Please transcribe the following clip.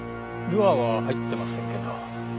ルアーは入ってませんけど。